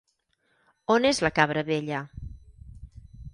On és la cabra vella?